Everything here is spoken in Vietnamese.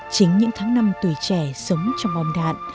chính những tháng năm tuổi trẻ sống trong bom đạn